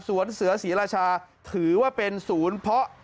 เสือศรีราชาถือว่าเป็นศูนย์เพาะ